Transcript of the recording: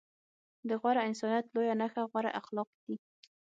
د غوره انسانيت لويه نښه غوره اخلاق دي.